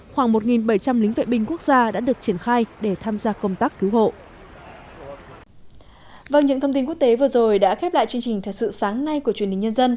khoảng một bảy trăm linh lính vệ binh quốc gia đã được triển khai để tham gia công tác cứu hộ